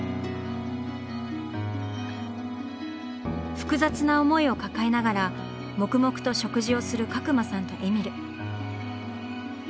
複雑な思いを抱えながら黙々と食事をする角間さんとえみる。